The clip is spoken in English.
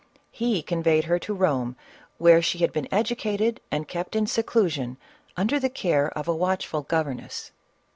He conveyed her to Eome, where she had been educated and kept in seclusion under the care of a watchful governess.